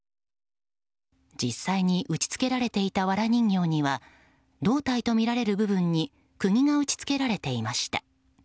実際に打ち付けられていたわら人形には胴体とみられる部分に釘が打ち付けられていました。